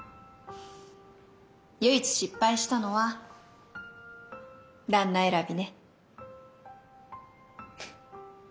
唯一失敗したのは旦那選びね。